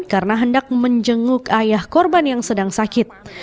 karena hendak menjenguk ayah korban yang sedang sakit